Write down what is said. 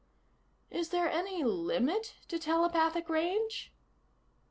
Is there any limit to telepathic range?